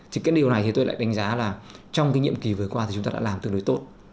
thì cái điều này thì tôi lại đánh giá là trong cái nhiệm kỳ vừa qua thì chúng ta đã làm tương đối tốt